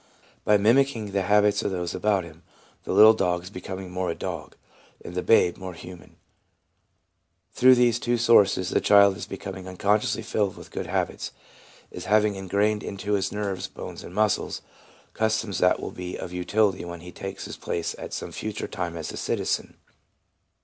By mimicking the habits of those about him, the little dog is becoming more a dog, and the babe more human. Through these two sources, the child is becoming unconsciously filled with good habits — is having ingrained into his nerves, bones and muscles customs that will be of utility when he takes his place at some future time as a citizen.